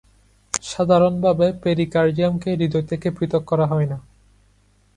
সাধারণভাবে, পেরিকার্ডিয়ামকে হৃদয় থেকে পৃথক করা হয় না।